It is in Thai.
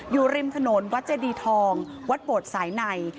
อยู่ริมถนนวัดเจดีทองวัดโบดสายใน